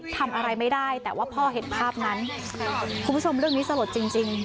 ทำอะไรไม่ได้แต่ว่าพ่อเห็นภาพนั้นคุณผู้ชมเรื่องนี้สลดจริงจริง